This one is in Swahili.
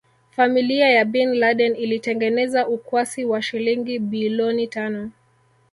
Familia ya Bin Laden ilitengeneza ukwasi wa shilingi biiloni tano